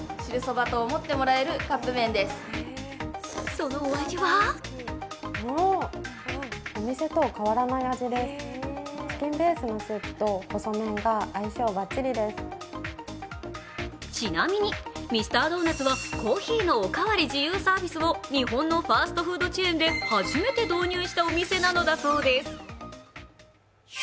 そのお味はちなみに、ミスタードーナツはコーヒーのおかわり自由サービスを日本のファストフードチェーンで初めて導入したお店なのだそうです。